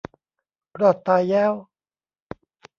รอดตายแย้ว